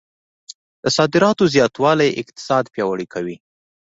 د صادراتو زیاتوالی اقتصاد پیاوړی کوي.